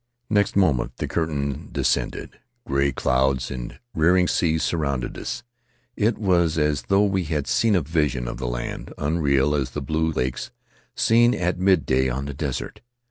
Next moment the curtain descended; gray clouds and rearing seas surrounded us; it was as though we had seen a vision of the land, unreal as the blue lakes seen at midday on the desert.